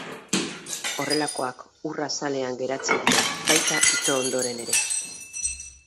Horrelakoak ur azalean geratzen dira, baita ito ondoren ere.